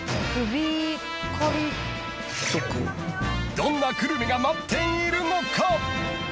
［どんなグルメが待っているのか？］